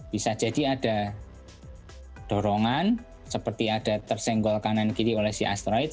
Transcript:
bisa jadi ada dorongan seperti ada tersenggol kanan kiri oleh si asteroid